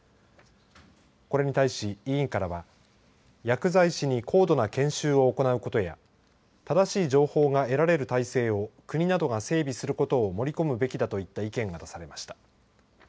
これに対し、委員からは薬剤師に高度な研修を行うことや正しい情報が得られる体制を国などが整備することを盛り込むべきだといった意見が出されました。